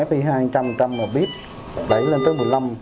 fp hai trăm linh một trăm linh là bíp đẩy lên tới một mươi năm